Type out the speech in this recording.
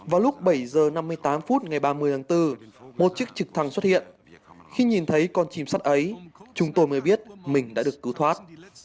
vào lúc bảy h năm mươi tám phút ngày ba mươi tháng bốn một chiếc trực thăng xuất hiện khi nhìn thấy con chim sắt ấy chúng tôi mới biết mình đã được cứu thoát